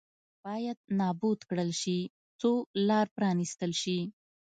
باید نابود کړل شي څو لار پرانېستل شي.